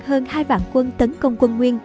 hơn hai vạn quân tấn công quân nguyên